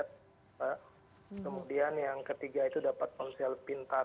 kemudian yang ketiga itu dapat ponsel pintar